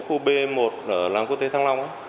khu b một ở làng quốc tế thăng long